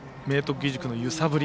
義塾の揺さぶり。